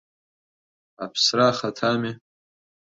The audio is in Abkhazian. Аԥсра ахаҭами!